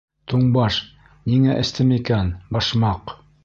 Туңбаш, ниңә эстем икән, башмаҡ?..